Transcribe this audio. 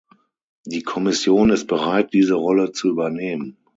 Die Kommission ist bereit, diese Rolle zu übernehmen.